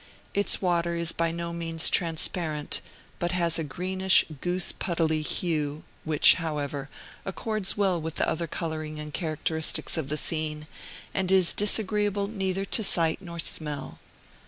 Its water is by no means transparent, but has a greenish, goose puddly hue, which, however, accords well with the other coloring and characteristics of the scene, and is disagreeable neither to sight nor smell.